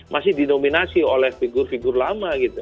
masih dinominasi oleh figur figur lama gitu